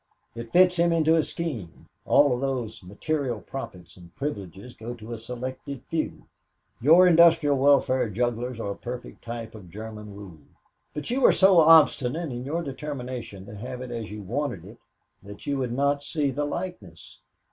It fits him into a scheme; all of whose material profits and privileges go to a selected few. Your industrial welfare jugglers are a perfect type of German rule. But you were so obstinate in your determination to have it as you wanted it that you would not see the likeness.